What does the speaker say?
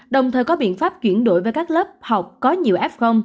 đồng thời có biện pháp chuyển đổi với các lớp học có nhiều f